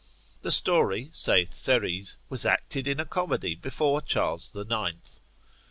The story, saith Serres, was acted in a comedy before Charles the Ninth.